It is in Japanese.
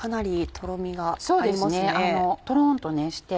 とろんとして。